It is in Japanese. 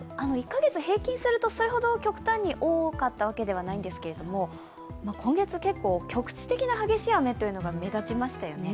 １か月平均すると極端に多かったわけではないんですけど今月、結構局地的な激しい雨が目立ちましたよね。